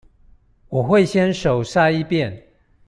我會先手篩一遍